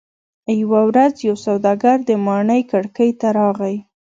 یوه ورځ یو سوداګر د ماڼۍ کړکۍ ته راغی.